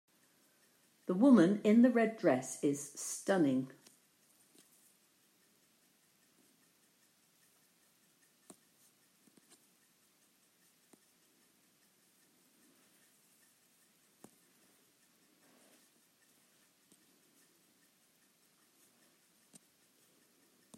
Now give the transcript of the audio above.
The woman in the red dress is stunning.